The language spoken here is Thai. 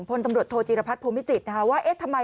พลตำรวจโทจีรพัฒนภูมิจิตรนะคะว่าเอ๊ะทำไม